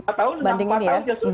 empat tahun empat tahun ya sudah